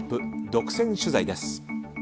独占取材です。